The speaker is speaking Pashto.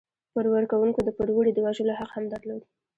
پور ورکوونکو د پوروړي د وژلو حق هم درلود.